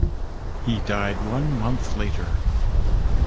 He died one month later.